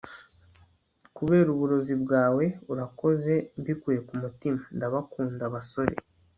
kubera uburozi bwawe Urakoze mbikuye ku mutima Ndabakunda basore